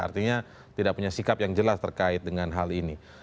artinya tidak punya sikap yang jelas terkait dengan hal ini